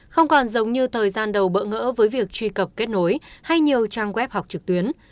không còn giống như thời gian đầu bỡ ngỡ với việc truy cập kết nối hay nhiều trang web học trực tuyến